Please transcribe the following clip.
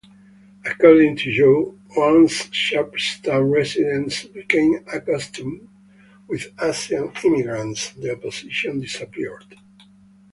According to Joe, once Sharpstown residents became accustomed with Asian immigrants, the opposition disappeared.